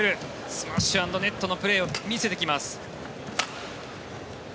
スマッシュアンドネットのプレーを見せていきます。